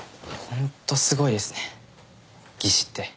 ホントすごいですね技師って。